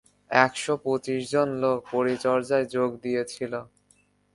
এক-শো পঁচিশ জন লোক পরিচর্যায় যোগ দিয়েছিল।